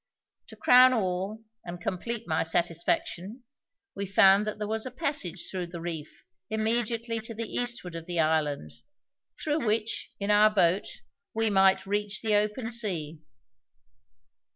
To crown all, and complete my satisfaction, we found that there was a passage through the reef immediately to the eastward of the island, through which, in our boat, we might reach the open sea.